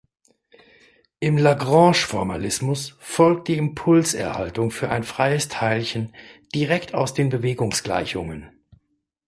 Im Lagrange-Formalismus folgt die Impulserhaltung für ein freies Teilchen direkt aus den Bewegungsgleichungen.